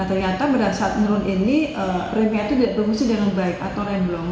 ternyata pada saat menurun ini premier itu tidak berfungsi dengan baik atau remblong